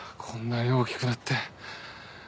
こんなに大きくなって。